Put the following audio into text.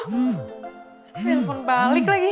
aduh dia beli handphone balik lagi